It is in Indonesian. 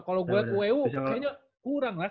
iya kalau gue ke ueu kayaknya kurang lah